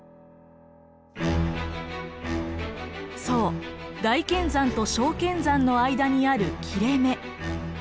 そう大剣山と小剣山の間にある切れ目。